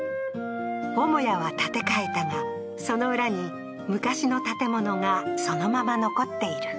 母屋は建て替えたが、その裏に、昔の建物がそのまま残っている。